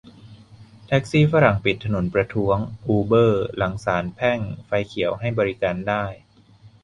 แท็กซี่ฝรั่งเศสปิดถนนประท้วง "อูเบอร์" หลังศาลแพ่งไฟเขียวให้บริการได้